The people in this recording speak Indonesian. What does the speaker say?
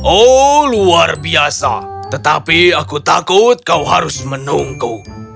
oh luar biasa tetapi aku takut kau harus menunggu